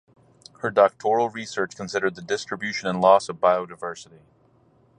Her doctoral research considered the distribution and loss of biodiversity.